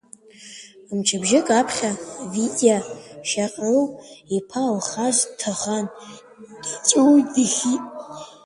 Мчыбжьык аԥхьа Витиа Шьаҟрыл иԥа Алхас дҭахан диҵәыуеит, дихьит.